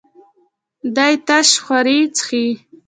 دی تش خوري څښي.